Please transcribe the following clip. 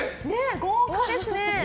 豪華ですね。